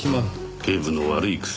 警部の悪い癖。